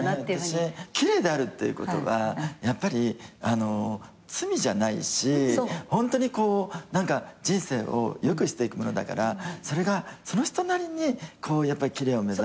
私奇麗であるっていうことはやっぱり罪じゃないしホントにこう人生を良くしていくものだからそれがその人なりに奇麗を目指していく。